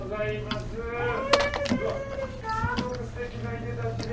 すごくすてきないでたちで。